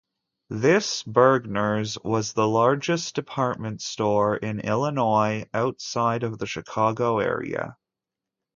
This Bergner's was the largest department store in Illinois outside of the Chicago area.